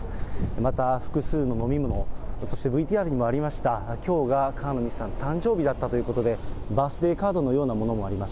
また複数の飲み物、そしてＶＴＲにもありました、きょうが川野美樹さん、誕生日だったということで、バースデーカードのようなものもあります。